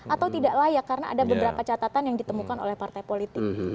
atau tidak layak karena ada beberapa catatan yang ditemukan oleh partai politik